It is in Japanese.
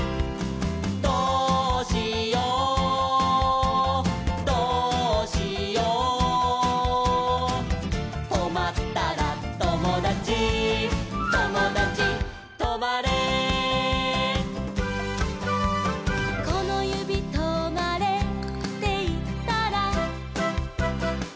「どうしようどうしよう」「とまったらともだちともだちとまれ」「このゆびとまれっていったら」